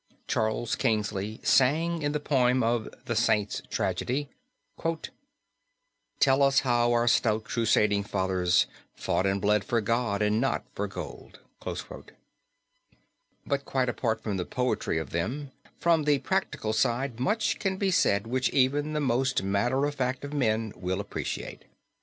Charles Kingsley sang in the poem of The Saints Tragedy: "Tell us how our stout crusading fathers Fought and bled for God and not for gold." But quite apart from the poetry of them, from the practical side much can be said which even the most matter of fact of men will appreciate.